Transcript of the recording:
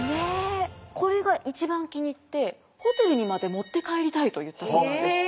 これが一番気に入って「ホテルにまで持って帰りたい」と言ったそうなんです。